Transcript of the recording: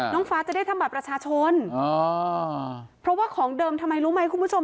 น้องฟ้าจะได้ทำบัตรประชาชนอ๋อเพราะว่าของเดิมทำไมรู้ไหมคุณผู้ชม